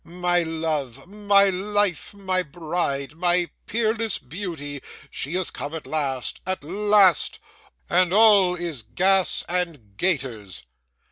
My love, my life, my bride, my peerless beauty. She is come at last at last and all is gas and gaiters!